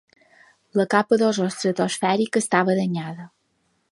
La capa d'ozó estratosfèrica estava danyada.